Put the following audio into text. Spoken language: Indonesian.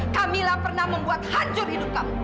kamilah pernah membuat hancur hidup kamu